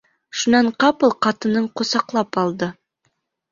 Шунан ҡапыл ҡатынын ҡосаҡлап алды.